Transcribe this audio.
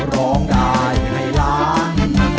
ร้องได้ไทยร้าน